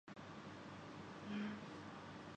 بڑے صاحب یہ معاملہ